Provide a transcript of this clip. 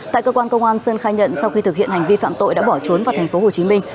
tại cơ quan công an sơn khai nhận sau khi thực hiện hành vi phạm tội đã bỏ trốn vào thành phố hồ chí minh